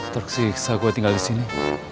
tersiksa gue tinggal di sini